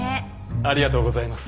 ありがとうございます。